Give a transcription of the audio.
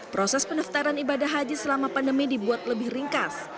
proses pendaftaran ibadah haji selama pandemi dibuat lebih ringkas